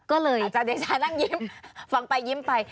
ก็เลยอาจารย์เดชานั่งยิ้มฟังไปยิ้มไป